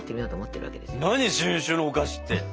何新種のお菓子って！